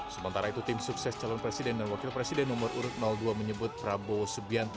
sementara itu tim sukses calon presiden dan wakil presiden nomor urut dua menyebut prabowo subianto